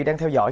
đang theo dõi